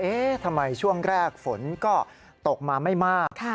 ทำไมช่วงแรกฝนก็ตกมาไม่มาก